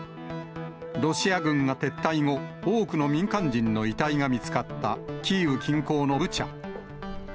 ロシア軍が撤退後、多くの民間人の遺体が見つかったキーウ近郊のブチャ。